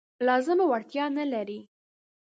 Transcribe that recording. لازمه وړتیا نه لري.